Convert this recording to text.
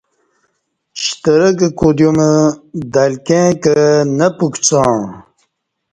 شترک کودیوم دلکیں کہ نہ پُکڅاݩع